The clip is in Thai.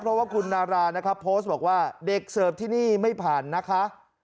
เพราะว่าคุณนารานะครับโพสต์บอกว่าเด็กเสิร์ฟที่นี่ไม่ผ่านนะคะ